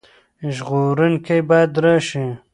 ژغورونکی باید راشي.